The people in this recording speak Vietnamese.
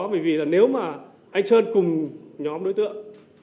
bởi vì là nếu mà anh sơn cùng nhóm đối tượng